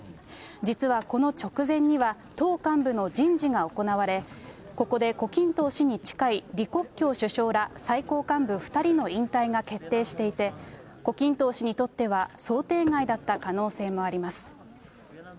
実はこの直前には、党幹部の人事が行われ、ここで胡錦涛氏に近い李克強首相ら最高幹部２人の引退が決定していて、胡錦濤氏にとっては想定外だった可能性もあります。